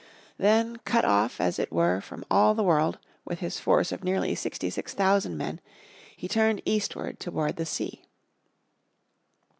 Then cut off as it were from all the world with his force of nearly sixty six thousand men, he turned eastward toward the sea.